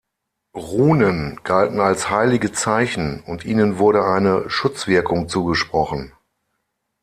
Runen galten als heilige Zeichen und ihnen wurde eine Schutzwirkung zugesprochen.